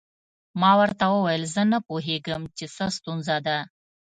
ما ورته وویل زه نه پوهیږم چې څه ستونزه ده.